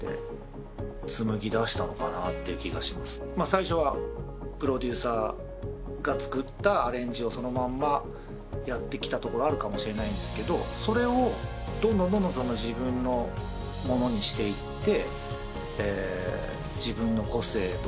最初はプロデューサーが作ったアレンジをそのまんまやってきたところあるかもしれないんですがそれをどんどん自分のものにしていって。